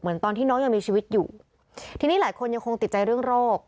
ตอนที่น้องยังมีชีวิตอยู่ทีนี้หลายคนยังคงติดใจเรื่องโรค